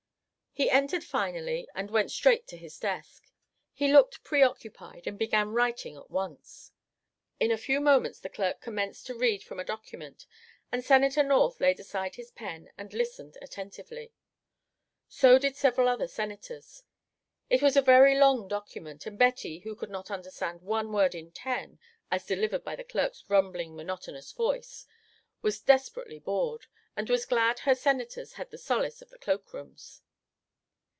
He entered finally and went straight to his desk. He looked preoccupied, and began writing at once. In a few moments the clerk commenced to read from a document, and Senator North laid aside his pen and listened attentively. So did several other Senators. It was a very long document, and Betty, who could not understand one word in ten as delivered by the clerk's rumbling monotonous voice, was desperately bored, and was glad her Senators had the solace of the cloak rooms.